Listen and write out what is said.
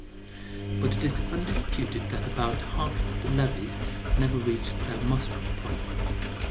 But it is undisputed that about half the levies never reached their mustering point.